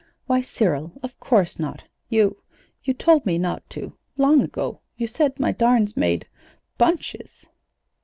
"Why, Cyril, of course not! You you told me not to, long ago. You said my darns made bunches.